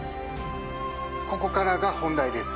ここからが本題です。